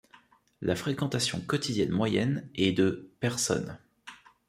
La fréquentation quotidienne moyenne est de personnes.